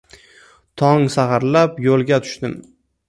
Tong saharlab yo`lga tushdim